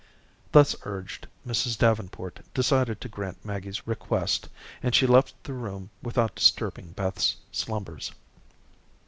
Thus urged, Mrs. Davenport decided to grant Maggie's request, and she left the room without disturbing Beth's slumbers.